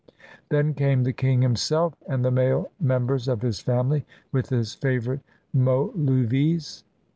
Then came the king himself and the male mem bers of his family with his favorite moluvies.